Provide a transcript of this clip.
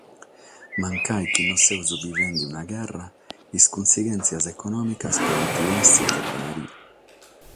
Mancari chi non semus bivende una gherra, is cunsighientzias econòmicas podent èssere che pare.